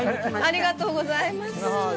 ありがとうございます。